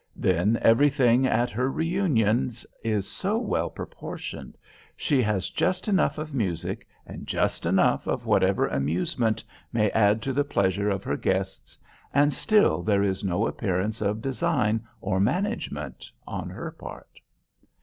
Then everything at her reunions is so well proportioned—she has just enough of music, and just enough of whatever amusement may add to the pleasure of her guests; and still there is no appearance of design or management on her part."